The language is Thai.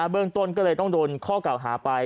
เรื่องต้นก็เลยต้องโดนข้อเก่าหาไป